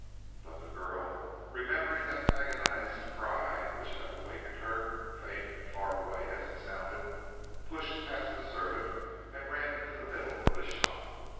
But the girl, remembering that agonized cry which had awakened her, faint and far away as it sounded, pushed past the servant and ran into the middle of the shop.